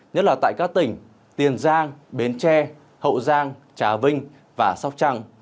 nhất là tại các tỉnh tiền giang bến tre hậu giang trà vinh và sóc trăng